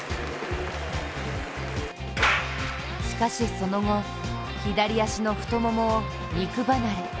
しかし、その後左足の太ももを肉離れ。